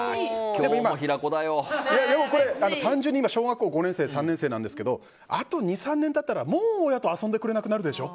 でも、単純に小学校５年生３年生なんですがあと２３年したらもう親と遊んでくれなくなる。